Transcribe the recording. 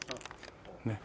ねっ。